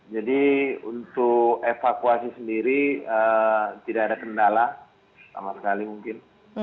jadi untuk evakuasi sendiri tidak ada kendala sama sekali mungkin